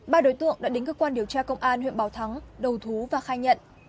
ba đối tượng đã đến cơ quan điều tra công an huyện bảo thắng đầu thú và khai nhận